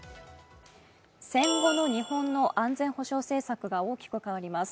戦後の日本の安全保障政策が大きく変わります。